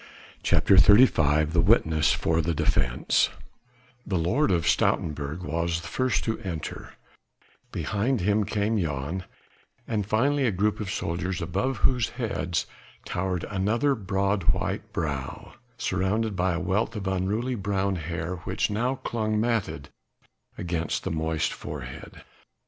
CHAPTER XXXV THE WITNESS FOR THE DEFENCE The Lord of Stoutenburg was the first to enter: behind him came Jan, and finally a group of soldiers above whose heads towered another broad white brow, surmounted by a wealth of unruly brown hair which now clung matted against the moist forehead.